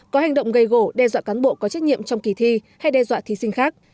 có hành động gây gỗ đe dọa cán bộ có trách nhiệm trong kỳ thi hay đe dọa thí sinh khác